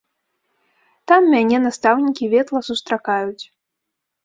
Там мяне настаўнікі ветла сустракаюць.